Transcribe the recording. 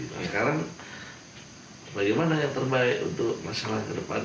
sekarang bagaimana yang terbaik untuk masalah kedepan